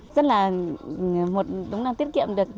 rất là một đúng là tiết kiệm được